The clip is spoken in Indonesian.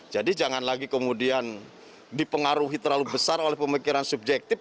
jadi jangan lagi kemudian dipengaruhi terlalu besar oleh pemikiran subjektif